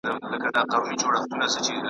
خو لکه سیوری بې اختیاره ځمه .